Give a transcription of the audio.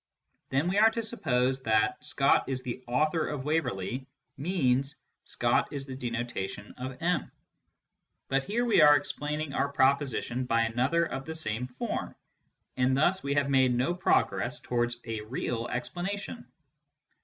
Then we are to suppose that " Scott is the author of Waverley " means " Scott is the denotation of M." But here we are explaining our proposition by another of the same form, and thus we have made no progress towards a real explanation.